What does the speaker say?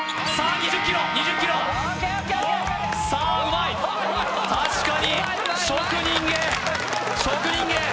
２０ｋｍ２０ｋｍさあうまい確かに職人芸職人芸！